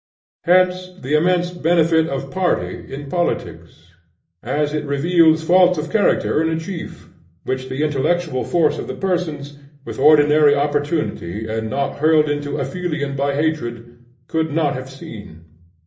Hence the immense benefit of party in politics, as it reveals faults of character in a chief, which the intellectual force of the persons, with ordinary opportunity and not hurled into aphelion by hatred, could not have seen.